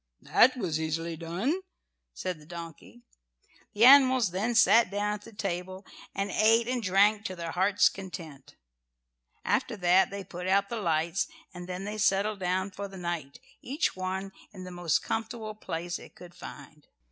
"That was easily done," said the donkey. The animals then sat down at the table and ate and drank to their hearts' content. After that they put out the lights, and then they settled down for the night, each one in the most comfortable place it could find.